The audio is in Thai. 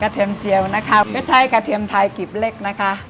เทียมเจียวนะครับก็ใช้กระเทียมไทยกิบเล็กนะคะ